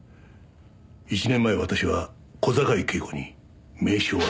１年前私は小坂井恵子に名刺を渡した。